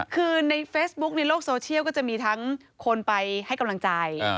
คือในเฟซบุ๊คในโลกโซเชียลก็จะมีทั้งคนไปให้กำลังใจ